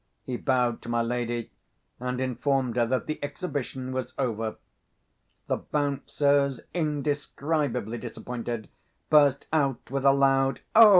He bowed to my lady, and informed her that the exhibition was over. The Bouncers, indescribably disappointed, burst out with a loud "O!"